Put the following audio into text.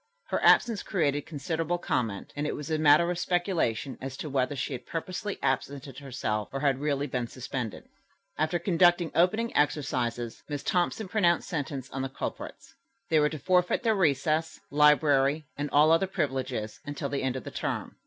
Her absence created considerable comment, and it was a matter of speculation as to whether she had purposely absented herself or really had been suspended. After conducting opening exercises, Miss Thompson pronounced sentence on the culprits. They were to forfeit their recess, library and all other privileges until the end of the term.